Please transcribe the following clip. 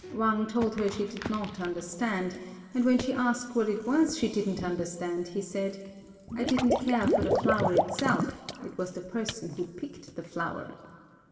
Wang told her she did not understand, and when she asked what it was she didn't understand, he said, "I didn't care for the flower itself; it was the person who picked the flower."